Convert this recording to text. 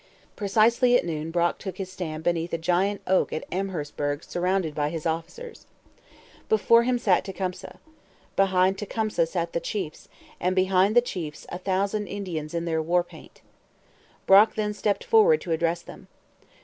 Precisely at noon Brock took his stand beneath a giant oak at Amherstburg surrounded by his officers. Before him sat Tecumseh. Behind Tecumseh sat the chiefs; and behind the chiefs a thousand Indians in their war paint. Brock then stepped forward to address them.